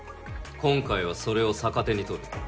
今回はそれを逆手に取る。